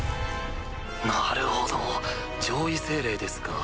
なるほど上位精霊ですか。